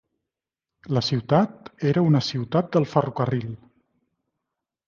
La ciutat era una ciutat del ferrocarril.